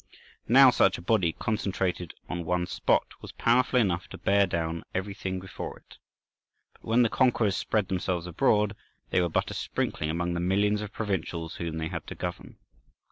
Now such a body concentrated on one spot was powerful enough to bear down everything before it. But when the conquerors spread themselves abroad, they were but a sprinkling among the millions of provincials whom they had to govern.